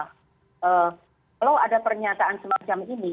kalau ada pernyataan semacam ini